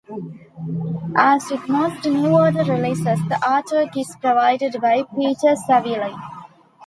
As with most New Order releases, the artwork is provided by Peter Saville.